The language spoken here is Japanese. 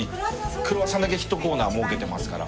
クロワッサンだけ１コーナー設けてますから。